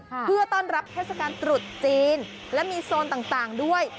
เพื่อต้อนรับเทศกาลตรุษจีนและมีโซนต่างด้วย